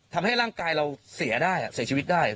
ทำให้ร่างกายเราเสียชีวิตได้